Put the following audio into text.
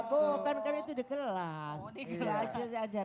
bukan kan itu di kelas belajar